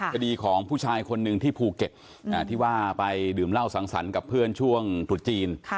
คดีของผู้ชายคนหนึ่งที่ภูเก็ตที่ว่าไปดื่มเหล้าสังสรรค์กับเพื่อนช่วงตรุษจีน